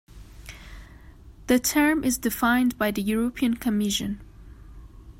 The term is defined by the European Commission.